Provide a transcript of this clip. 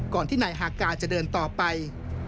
ก่อนที่ไหนฮากาจะเดินต่อไป